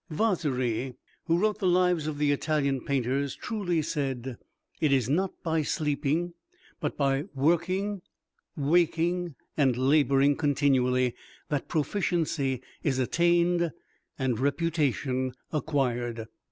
Vasari, who wrote the lives of the Italian painters, truly said, "It is not by sleeping, but by working, waking, and laboring continually, that proficiency is attained and reputation acquired."